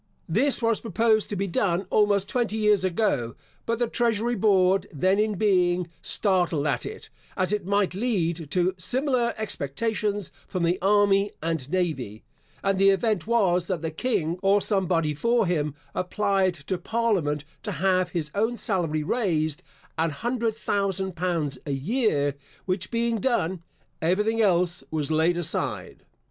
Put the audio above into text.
This was proposed to be done almost twenty years ago, but the treasury board then in being, startled at it, as it might lead to similar expectations from the army and navy; and the event was, that the King, or somebody for him, applied to parliament to have his own salary raised an hundred thousand pounds a year, which being done, every thing else was laid aside.